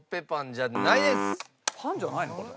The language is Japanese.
パンじゃないの？